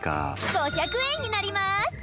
５００円になります。